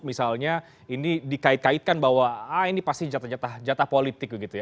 misalnya ini dikait kaitkan bahwa ini pasti jatah jatah politik gitu ya